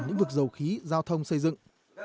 những vực dầu khí giao thông xây dựng